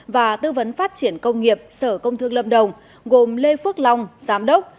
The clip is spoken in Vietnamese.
và tư vấn phát triển công nghiệp sở công thương lâm đồng gồm lê phước long giám đốc